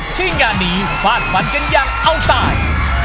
ที่งานนี้ฟาดฟันกันอย่างเอาตาย